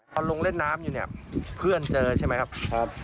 ถ้าลุงเล่นน้ำอยู่พิขัยเจอใช่ไหมครับ